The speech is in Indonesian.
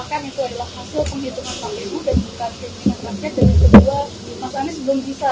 dan juga keinginan rakyat dari kedua mas ami sebelum bisa